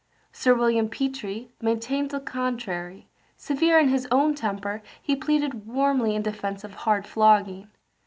Sir William Petre maintained the contrary; severe in his own temper, he pleaded warmly in defence of hard flogging.